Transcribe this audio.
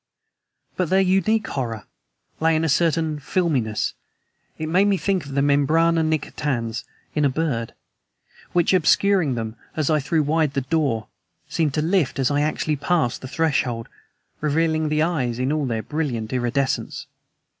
But their unique horror lay in a certain filminess (it made me think of the membrana nictitans in a bird) which, obscuring them as I threw wide the door, seemed to lift as I actually passed the threshold, revealing the eyes in all their brilliant iridescence.